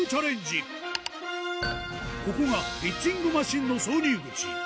ここがピッチングマシンの挿入口